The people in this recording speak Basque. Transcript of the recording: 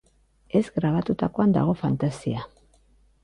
Ez grabatutakoan dago fantasia.